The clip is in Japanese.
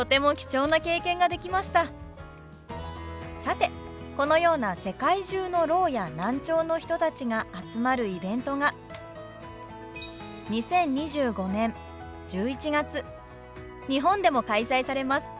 さてこのような世界中のろうや難聴の人たちが集まるイベントが２０２５年１１月日本でも開催されます。